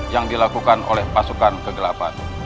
yang dilakukan oleh pasukan kegelapan